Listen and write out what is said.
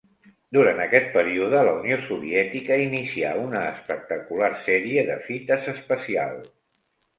Durant aquest període, la Unió Soviètica inicià una espectacular sèrie de fites espacial.